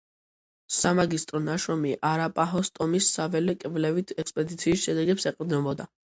სამაგისტრო ნაშრომი არაპაჰოს ტომის საველე კვლევით ექსპედიციის შედეგებს ეყრდნობოდა.